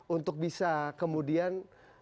untuk bisa kemudian